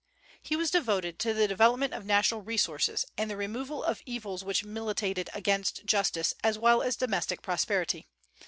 He was devoted to the development of national resources and the removal of evils which militated against justice as well as domestic prosperity.